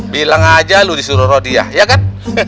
bilang aja lu disuruh rodiah ya kan